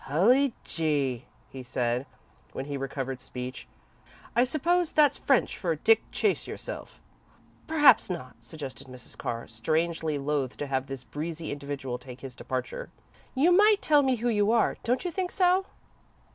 "Hully Gee!" he said, when he recovered speech. "I suppose that's French for 'Dick, chase yourself.'" "Perhaps not," suggested Mrs. Carr, strangely loath to have this breezy individual take his departure. "You might tell me who you are; don't you think so?"